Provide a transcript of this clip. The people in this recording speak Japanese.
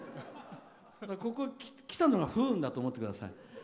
ここに来たのが不運だと思ってください。